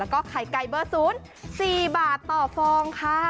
ไข่ไก่เบอร์ศูนย์๔บาทต่อฟองค่ะ